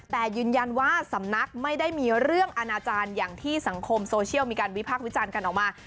แต่ยืนยันว่าสำนักไม่ได้มีเรื่องอนาจารย์อย่างที่สังคมโซเชียลมีการวิพากษ์วิจารณ์กันออกมา